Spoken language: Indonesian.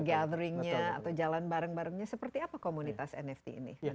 gatheringnya atau jalan bareng barengnya seperti apa komunitas nft ini